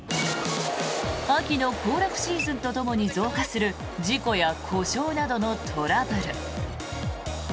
秋の行楽シーズンとともに増加する事故や故障などのトラブル。